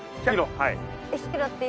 はい。